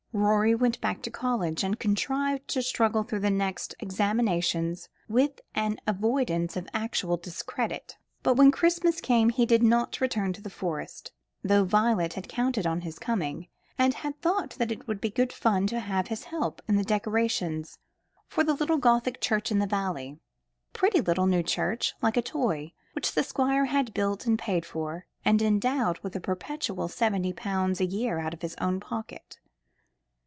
Rorie went back to college, and contrived to struggle through his next examinations with an avoidance of actual discredit; but when Christmas came he did not return to the Forest, though Violet had counted on his coming, and had thought that it would be good fun to have his help in the decorations for the little Gothic church in the valley a pretty little new church, like a toy, which the Squire had built and paid for, and endowed with a perpetual seventy pounds a year out of his own pocket.